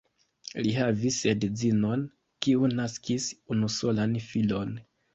Li havis edzinon, kiu naskis unusolan filon.